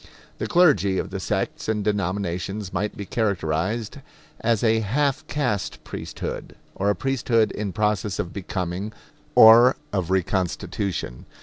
The clergy of the sects and denominations might be characterized as a half caste priesthood, or a priesthood in process of becoming or of reconstitution.